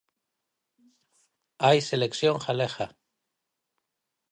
Hai selección galega.